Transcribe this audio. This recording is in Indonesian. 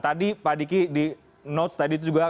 tadi pak diki di notes tadi itu juga